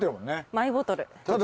マイボトル。